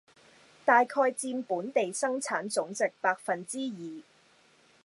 大概佔本地生產總值百分之二